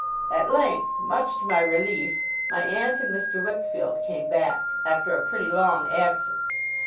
At length, much to my relief, my aunt and Mr. Wickfield came back, after a pretty long absence.